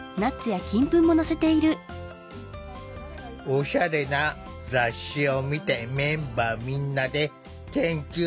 おしゃれな雑誌を見てメンバーみんなで研究を重ねてきた。